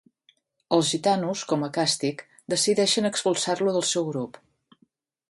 Els gitanos, com a càstig, decideixen expulsar-lo del seu grup.